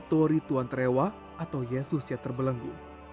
tori tuan trewa atau yesus yang terbelenggu